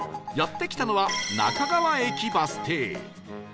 やって来たのは中川駅バス停